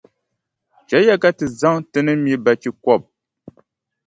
Chɛliya ka ti zaŋ ti ni mi bachikɔbʼ.